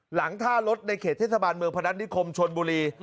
หลังท่ารถในเขตเทศบาลเมืองพนัฐนิคมชนบุรี